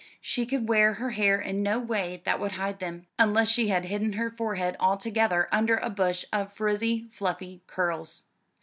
She could wear her hair in no way that would hide them, unless she had hidden her forehead altogether under a bush of frizzy fluffy curls.